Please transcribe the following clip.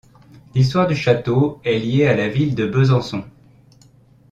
L’histoire du château est liée à la ville de Besançon.